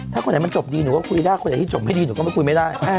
ถ้าคนไหนมันจบดีหนูก็คุยได้คนไหนที่จบให้ดีหนูก็ไม่คุยไม่ได้